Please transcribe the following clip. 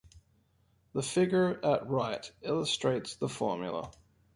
The figure at right illustrates the formula.